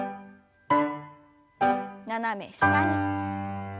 斜め下に。